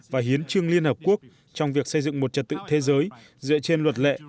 và hiến trương liên hợp quốc trong việc xây dựng một trật tự thế giới dựa trên luật lệ